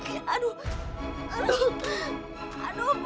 ibu tak ada tolongmu